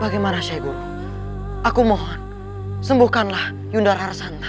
bagaimanacha guru aku mohon sembuhkan lah the indah santa